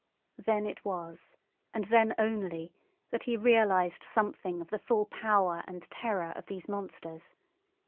Then it was, and then only, that he realised something of the full power and terror of these monsters.